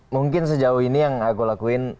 mungkin sejauh ini yang aku lakuin